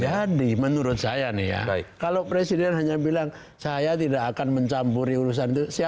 jadi menurut saya nih ya kalau presiden hanya bilang saya tidak akan mencampuri urusan